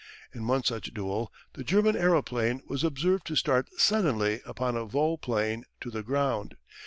In one such duel the German aeroplane was observed to start suddenly upon a vol plane to the ground.